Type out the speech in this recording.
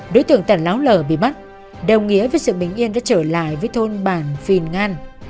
đối tượng tàn láo lở bị bắt đồng nghĩa với sự bình yên đã trở lại với thôn bản phìn ngăn